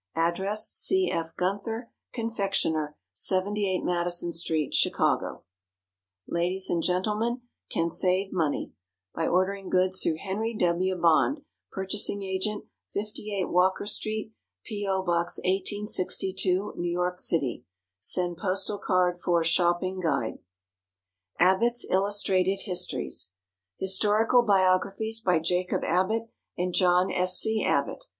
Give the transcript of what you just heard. Address C. F. GUNTHER, Confectioner, 78 MADISON STREET, CHICAGO. Ladies and Gentlemen can Save Money By ordering Goods through HENRY W. BOND, Purchasing Agent, 58 Walker St., P.O. Box 1862, N. Y. City. Send Postal Card for "Shopping Guide." ABBOTTS' ILLUSTRATED HISTORIES. HISTORICAL BIOGRAPHIES. By JACOB ABBOTT and JOHN S. C. ABBOTT.